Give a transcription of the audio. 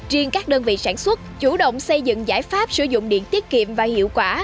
riêng các đơn vị sản xuất chủ động xây dựng giải pháp sử dụng điện tiết kiệm và hiệu quả